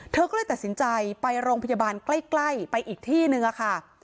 เธอก็เลยตัดสินใจไปโรงพยาบาลใกล้ไปอีกที่นึงอะค่ะ